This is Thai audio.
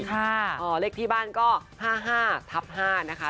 ค่ะอ๋อเลขที่บ้านก็ห้าห้าทับห้านะคะ